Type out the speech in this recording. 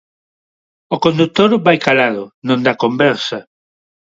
O condutor vai calado, non dá conversa.